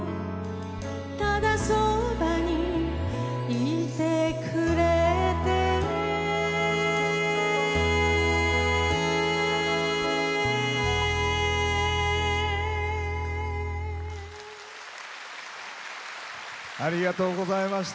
ただそばにいてくれてありがとうございました。